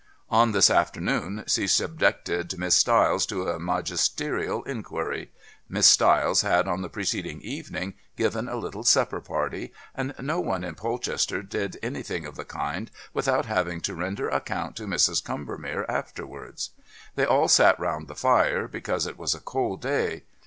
On this afternoon she subjected Miss Stiles to a magisterial inquiry; Miss Stiles had on the preceding evening given a little supper party, and no one in Polchester did anything of the kind without having to render account to Mrs. Combermere afterwards. They all sat round the fire, because it was a cold day.